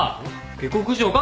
下克上か？